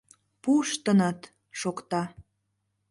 Пуштыныт! — шокта.